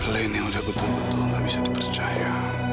lainnya udah betul betul gak bisa dipercaya